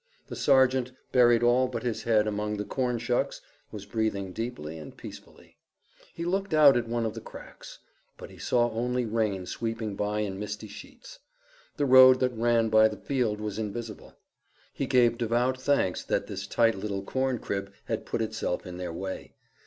The sergeant, buried all but his head among the corn shucks, was breathing deeply and peacefully. He looked out at one of the cracks, but he saw only rain sweeping by in misty sheets. The road that ran by the field was invisible. He gave devout thanks that this tight little corn crib had put itself in their way.